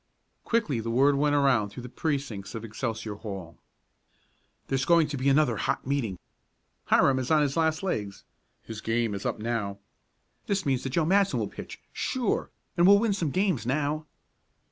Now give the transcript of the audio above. Quickly the word went around through the precincts of Excelsior Hall. "There's going to be another hot meeting." "Hiram's on his last legs." "His game is up now." "This means that Joe Matson will pitch, sure, and we'll win some games now."